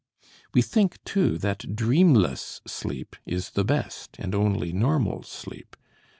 We think, too, that dreamless sleep is the best and only normal sleep.